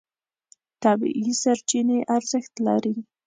طبیعي سرچینې ارزښت لري.